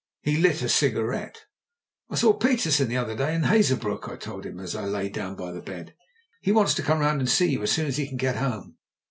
He lit a cigarette. "I saw Petersen the other day in Hazebrouck," I told him as I sat down by the bed. "He wants to come round and see you as soon as he can get home."